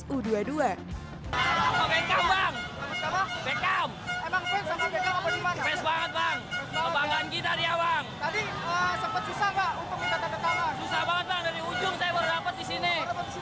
yang membawa bunga hingga sepanduk bertuliskan ucapan kemenangan sebagai bentuk apresiasi terhadap squad garuda muda yang mampu meraih menangani kemenangan yang terakhir di jenderal sudirman